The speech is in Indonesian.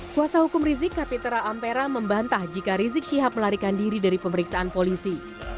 kuasa hukum rizik kapitra ampera membantah jika rizik syihab melarikan diri dari pemeriksaan polisi